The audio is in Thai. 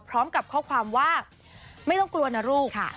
พร้อมกับข้อความว่าไม่ต้องกลัวนะลูก